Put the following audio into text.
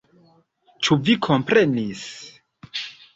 Ĉu vi komprenis?